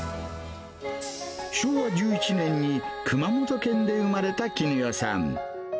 昭和１１年に熊本県で生まれた絹代さん。